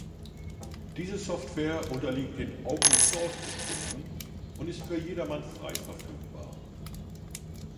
Diese Software unterliegt den Open-Source-Bestimmungen und ist für jedermann frei verfügbar.